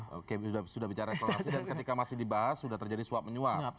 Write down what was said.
oke sudah bicara reklamasi dan ketika masih dibahas sudah terjadi suap menyuap